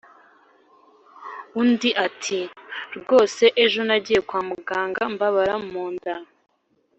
undi ati: “rwose ejo nagiye kwa muganga mbabara mu nda,